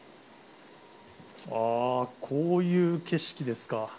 あー、こういう景色ですか。